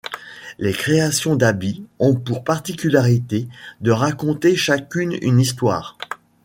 Les créations d'Abby ont pour particularité de raconter chacune une histoire.